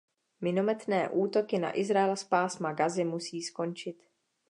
Minometné útoky na Izrael z pásma Gazy musí skončit.